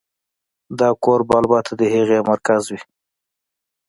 دا کور به البته د هغې مرکز وي